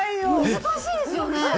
難しいですよね